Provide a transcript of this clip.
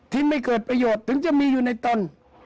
ที่ไม่เกิดประโยชน์ถึงจะมีอยู่ในตน